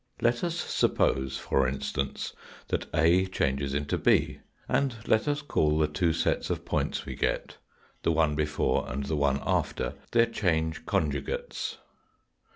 Let us suppose, for instance, that a changes into 6, and let us call the two sets of points we get, the one before and the one after, their change conjugates.